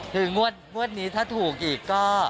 คืองวดนี้ถ้าถูกอีกก็